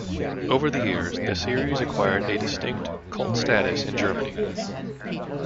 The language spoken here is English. Over the years, the series acquired a distinct cult status in Germany.